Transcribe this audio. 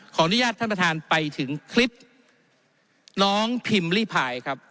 ขออนุญาตท่านประธานไปถึงคลิปน้องพิมพ์ลี่พายครับ